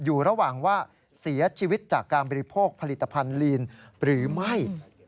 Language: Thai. อยู่ระหว่างว่าเสียชีวิตจากการบริโภคผลิตภัณฑ์ลีนหรือไม่